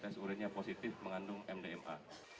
tes urinnya positif mengandung mdma